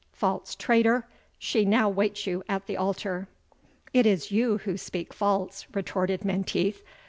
False traitor! she now waits you at the altar." "It is you who speak false," retorted Menteith.